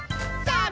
さあ